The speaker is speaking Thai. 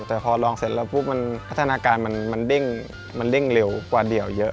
แต่พอลองเสร็จแล้วพอมันพัฒนาการมันดิ้งเร็วกว่าเดี่ยวเยอะ